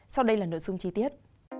sau đây là nội dung chi tiết